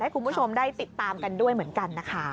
คุณผู้ชมได้ติดตามกันด้วยเหมือนกันนะคะ